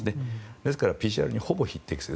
ですからＰＣＲにほぼ匹敵する。